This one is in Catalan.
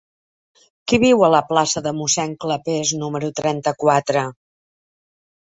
Qui viu a la plaça de Mossèn Clapés número trenta-quatre?